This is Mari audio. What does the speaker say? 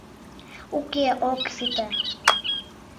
Уке, ок сите...